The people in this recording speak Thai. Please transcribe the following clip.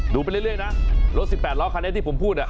ดูไปเรื่อยนะรถ๑๘ล้อคันนี้ที่ผมพูด